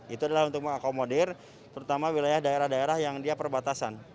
itu adalah untuk mengakomodir terutama wilayah daerah daerah yang dia perbatasan